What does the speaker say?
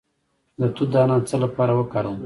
د توت دانه د څه لپاره وکاروم؟